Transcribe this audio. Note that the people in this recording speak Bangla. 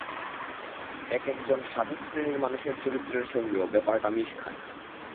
এক জন সাধকশ্রেণীর মানুষের চরিত্রের সঙ্গেও ব্যাপারটা মিশ খায় না।